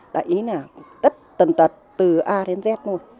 đại ý là tất tần tật từ a đến z thôi